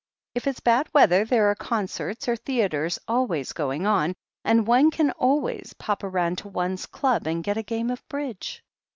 If it's bad weather, there are concerts or theatres always going on — ^and one can always pop round to one's club and get a game of Bridge."